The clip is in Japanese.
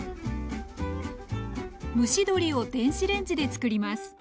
蒸し鶏を電子レンジで作ります。